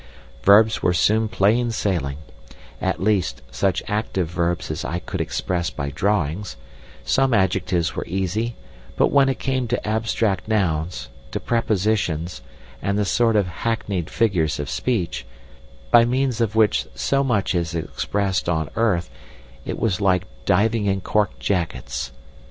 Verbs were soon plain sailing—at least, such active verbs as I could express by drawings; some adjectives were easy, but when it came to abstract nouns, to prepositions, and the sort of hackneyed figures of speech, by means of which so much is expressed on earth, it was like diving in cork jackets.